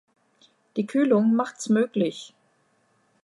Die Kühlung macht’s möglich.